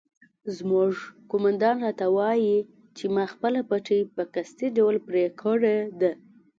زموږ قومندان راته وایي چې ما خپله پټۍ په قصدي ډول پرې کړې ده.